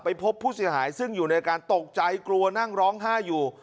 พบผู้เสียหายซึ่งอยู่ในการตกใจกลัวนั่งร้องไห้อยู่